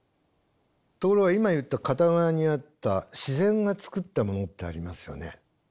ところが今言った片側にあった自然がつくったものってありますよね。